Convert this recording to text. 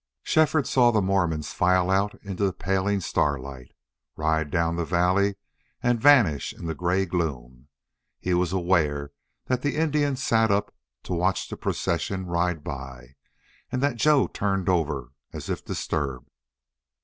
Shefford saw the Mormons file out into the paling starlight, ride down the valley, and vanish in the gray gloom. He was aware that the Indian sat up to watch the procession ride by, and that Joe turned over, as if disturbed.